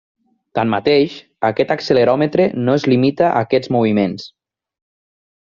Tanmateix, aquest acceleròmetre no es limita a aquests moviments.